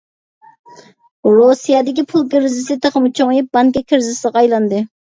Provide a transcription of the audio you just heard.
رۇسىيەدىكى پۇل كىرىزىسى تېخىمۇ چوڭىيىپ بانكا كىرىزىسىغا ئايلاندى.